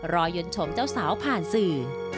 ยนชมเจ้าสาวผ่านสื่อ